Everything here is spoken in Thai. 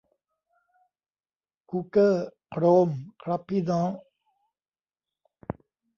กูเก้อ โครม ! ครับพี่น้อง